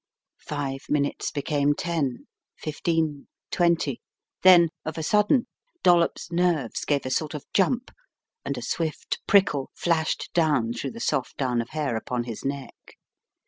Five minutes became ten — fifteen — twenty, then, of a sudden, Dollops' nerves gave a sort of jump and a swift prickle flashed down through the soft down of hair upon his neck.